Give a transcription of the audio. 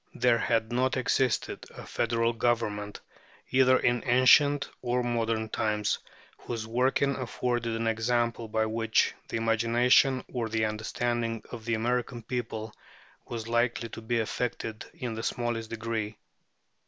There had not existed a federal government, either in ancient or modern times, whose working afforded an example by which the imagination or the understanding of the American people was likely to be affected in the smallest degree.